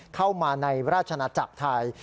เข้ามาในราชนาจักรไทย